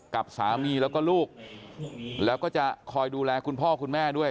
กับสามีแล้วก็ลูกแล้วก็จะคอยดูแลคุณพ่อคุณแม่ด้วย